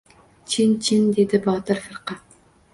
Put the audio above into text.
— Chin, chin, — dedi Botir firqa.